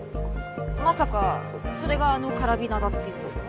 まさかそれがあのカラビナだっていうんですか？